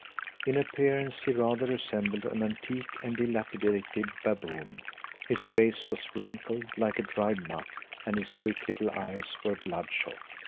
In appearance he rather resembled an antique and dilapidated baboon; his face was wrinkled like a dried nut and his quick little eyes were bloodshot.